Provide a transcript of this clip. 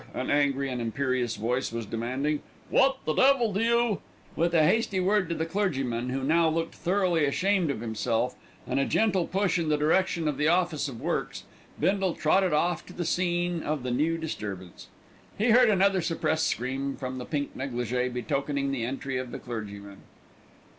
an angry and imperious voice was demanding. "What the devil do you " With a hasty word to the clergyman, who now looked thoroughly ashamed of himself, and a gentle push in the direction of the Office of Works, Bindle trotted off to the scene of the new disturbance. He heard another suppressed scream from the pink négligé betokening the entry of the clergyman.